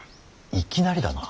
いきなりだな。